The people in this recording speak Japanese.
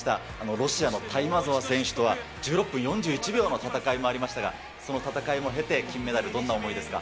ロシアのタイマゾワ選手とは１６分４１秒の戦いもありましたが、その戦いも経て、金メダル、どんな思いですか？